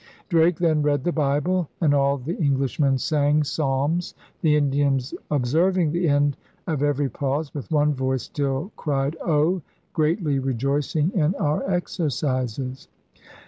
Drake then read the Bible and all the Englishmen sang Psalms, the Indians, 'observing the end of every pause, with one voice still cried Oh! greatly re joicing in our exercises.'